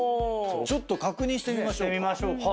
ちょっと確認してみましょうか。